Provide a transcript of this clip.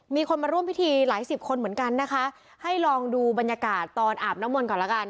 มีคนมาร่วมพิธีหลายสิบคนเหมือนกันนะคะให้ลองดูบรรยากาศตอนอาบน้ำมนต์ก่อนแล้วกัน